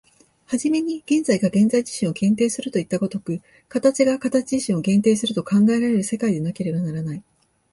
始めに現在が現在自身を限定するといった如く、形が形自身を限定すると考えられる世界でなければならない。